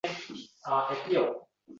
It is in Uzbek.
Shundan so‘ng safarga chiqishgan